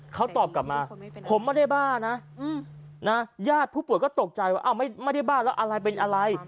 เขาตอบกลับมาผมไม่ได้บ้านะญาติผู้ป่วยก็ตกใจว่าไม่ได้บ้าแล้วอะไรเป็นอะไร